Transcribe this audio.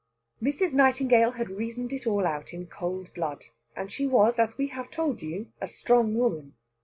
Mrs. Nightingale had reasoned it all out in cold blood, and she was, as we have told you, a strong woman.